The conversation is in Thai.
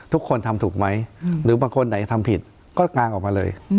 ทุกคนทำถูกไหมหรือบางคนไหนทำผิดก็กางออกมาเลย